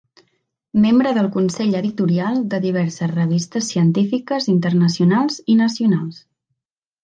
Membre del Consell Editorial de diversos revistes científiques Internacionals i nacionals.